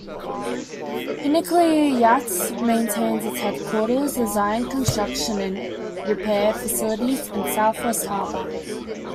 Hinckley Yachts maintains its headquarters, design, construction, and repair facilities in Southwest Harbor.